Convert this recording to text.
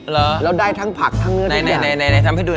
เหรอแล้วได้ทั้งผักทั้งเนื้อทุกอย่างใหนทำให้ดูหน่อย